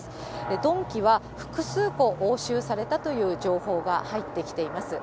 鈍器は複数個押収されたという情報が入ってきています。